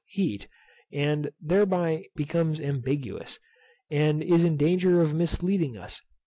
heat, and thereby becomes ambiguous, and is in danger of misleading us.